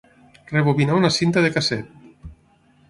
Rebobinar una cinta de casset.